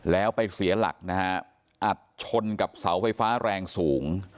แล้วไปเสียหลักนะฮะอัดชนกับเสาไฟฟ้าแรงสูง